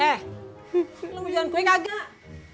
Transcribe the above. eh lo mau jalan kue kagak